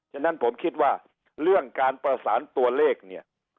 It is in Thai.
ฉะนั้นผมคิดว่าเรื่องการประสานตัวเลขเนี่ย